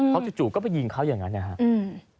เขาจู่ก็ไปยิงเขาอย่างนั้นนะครับ